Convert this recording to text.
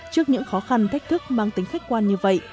trước những khó khăn thách thức mang tính khách quan như vậy